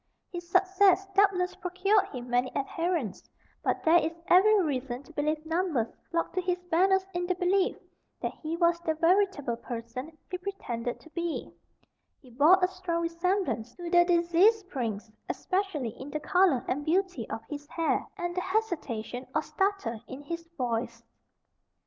His success doubtless procured him many adherents, but there is every reason to believe numbers flocked to his banners in the belief that he was the veritable person he pretended to be; he bore a strong resemblance to the deceased prince, especially in the colour and beauty of his hair, and the hesitation or stutter in his voice.